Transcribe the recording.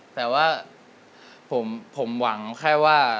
แต่ว่าผมหวังแค่ว่า